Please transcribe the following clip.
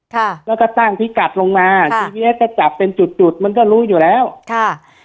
ค่ะแล้วก็ตั้งพิกัดลงมาทีเนี้ยก็จับเป็นจุดจุดมันก็รู้อยู่แล้วค่ะ